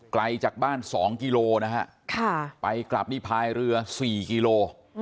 ไกลจากบ้าน๒กิโลนะฮะไปกลับนี่พายเรือ๔กิโล